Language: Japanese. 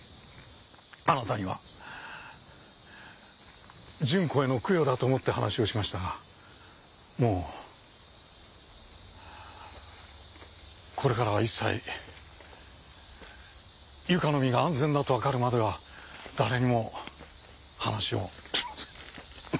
あなたには純子への供養だと思って話をしましたがもうこれからは一切由香の身が安全だとわかるまでは誰にも話をしません。